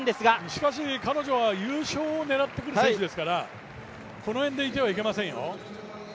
しかし彼女は優勝を狙ってくる選手ですからこの辺にいてはいけませんよ。